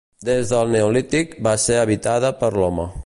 Des del Neolític, va ser habitada per l'home.